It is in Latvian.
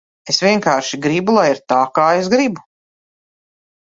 Es vienkārši gribu, lai ir tā, kā es gribu.